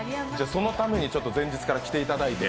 そのために前日から来ていただいて。